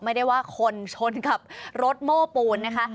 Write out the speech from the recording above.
ไม่ได้ว่าคนชนกับรถโม้ปูนนะคะ